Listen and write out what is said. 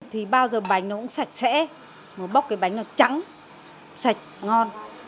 thì bao giờ bánh nó cũng sạch sẽ một bóc cái bánh nó trắng sạch ngon